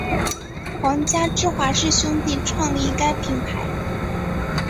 皇家芝华士兄弟创立该品牌。